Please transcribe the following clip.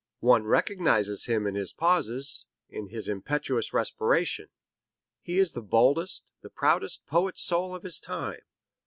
One recognizes him in his pauses, in his impetuous respiration. He is the boldest, the proudest poet soul of his time.